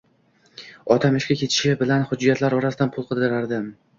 Otam ishga ketishi bilan, hujjatlar orasidan pul qidirardim.